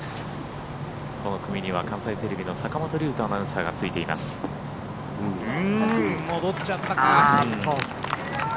この組には関西テレビの坂元龍斗アナウンサーが戻っちゃったか。